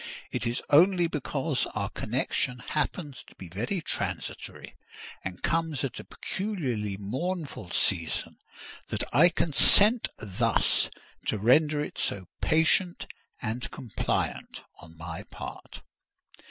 It is only because our connection happens to be very transitory, and comes at a peculiarly mournful season, that I consent thus to render it so patient and compliant on my part."